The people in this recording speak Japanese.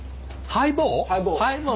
ハイボー。